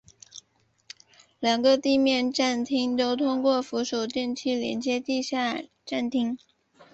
两个地面站厅都通过扶手电梯连接地下站厅。